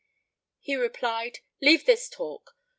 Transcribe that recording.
He replied, "Leave this talk!